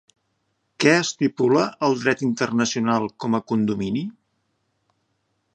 Què estipula el dret internacional com a condomini?